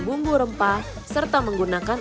bumbu rempah serta menggunakan